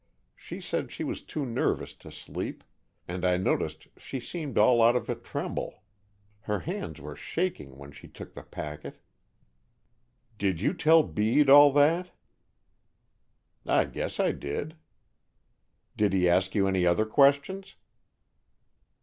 She said she was too nervous to sleep, and I noticed she seemed all of a tremble. Her hands were shaking when she took the packet." "Did you tell Bede all that?" "I guess I did." "Did he ask you any other questions?"